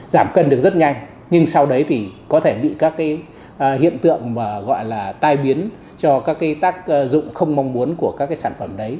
giảm cân được rất nhanh nhưng sau đấy thì có thể bị các cái hiện tượng mà gọi là tai biến cho các cái tác dụng không mong muốn của các cái sản phẩm đấy